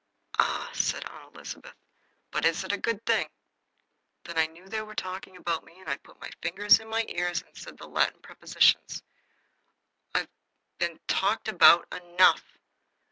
"Ah," said Aunt Elizabeth, "but is it a good thing?" Then I knew they were talking about me, and I put my fingers in my ears and said the Latin prepositions. I have been talked about enough.